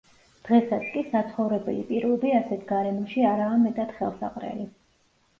დღესაც კი საცხოვრებელი პირობები ასეთ გარემოში არაა მეტად ხელსაყრელი.